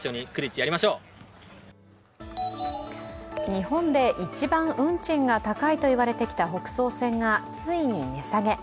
日本で一番運賃が高いと言われてきた北総線がついに値下げ。